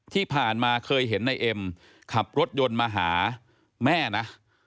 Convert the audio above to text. ที่ผ่านมาเคยเห็นนายเอ็มขับรถยนต์มาหาแม่นะ